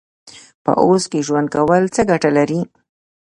په اوس کې ژوند کول څه ګټه لري؟